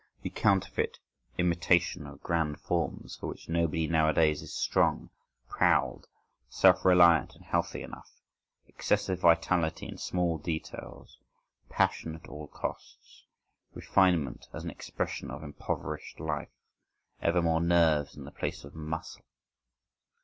The counterfeit imitation of grand forms, for which nobody nowadays is strong, proud, self reliant and healthy enough, excessive vitality in small details; passion at all costs; refinement as an expression of impoverished life, ever more nerves in the place of muscle.